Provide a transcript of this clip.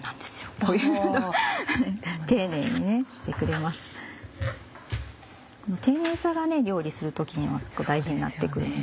この丁寧さが料理する時には大事になって来るので。